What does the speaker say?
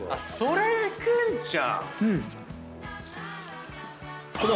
それいけんちゃう⁉うん！